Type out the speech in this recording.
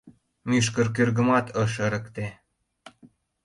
Мӱшкыр кӧргымат ыш ырыкте.